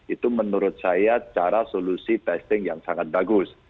itu menurut saya cara solusi testing yang sangat bagus